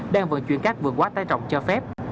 đang vận chuyển các vườn quá tái trọng cho phép